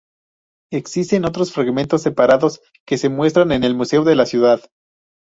Existen otros fragmentos separados que se muestran en el museo de la ciudad.